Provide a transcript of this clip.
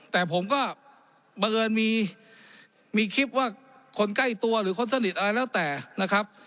แต่ผมก็บังเอิญมีคลิปว่าคนใกล้ตัวหรือคนสนิทอะไรแล้วแต่นะครับ